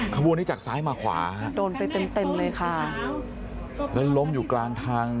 ขบวนนี้จากซ้ายมาขวา